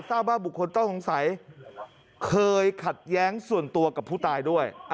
ทราบว่าบุคคลต้องสงสัยเคยขัดแย้งส่วนตัวกับผู้ตายด้วย